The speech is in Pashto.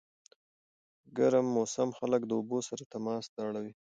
ګرم موسم خلک د اوبو سره تماس ته اړوي.